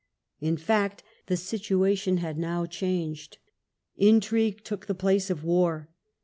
In fact, the situation had now changed. Intrigue took the place of war.